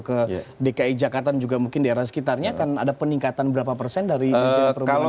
ke dki jakarta juga mungkin daerah sekitarnya akan ada peningkatan berapa persen dari jumlah perunggulan